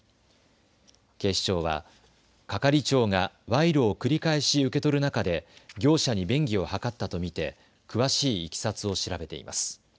警視庁は、係長が賄賂を繰り返し受け取る中で業者に便宜を図ったと見て詳しいいきさつを調べています。